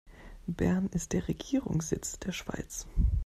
Bern ist der Regierungssitz der Schweiz.